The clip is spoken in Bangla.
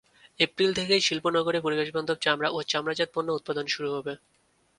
এপ্রিল থেকেই শিল্পনগরে পরিবেশবান্ধব চামড়া ও চামড়াজাত পণ্য উৎপাদন শুরু হবে।